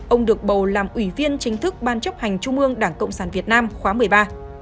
ông được bầu làm ủy viên chính thức ban chấp hành trung ương đảng cộng sản việt nam khóa một mươi ba